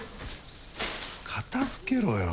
片付けろよ。